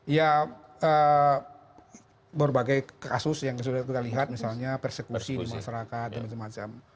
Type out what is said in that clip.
ya berbagai kasus yang sudah kita lihat misalnya persekusi di masyarakat dan macam macam